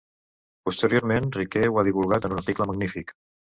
Posteriorment Riquer ho ha divulgat en un article magnífic.